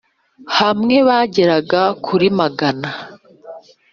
Hamwe bageraga kuri magana